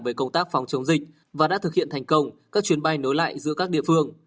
về công tác phòng chống dịch và đã thực hiện thành công các chuyến bay nối lại giữa các địa phương